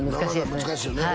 生は難しいよね